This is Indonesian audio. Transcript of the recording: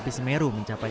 petang tergolong besar